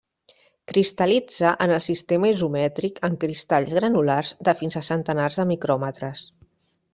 Cristal·litza en el sistema isomètric en cristalls granulars de fins a centenars de micròmetres.